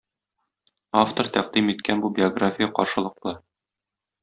Автор тәкъдим иткән бу биография каршылыклы.